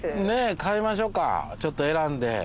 ねえ買いましょうかちょっと選んで。